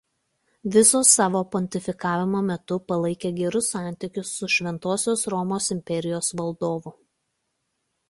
Viso savo pontifikavimo metu palaikė gerus santykius su Šventosios Romos Imperijos valdovu.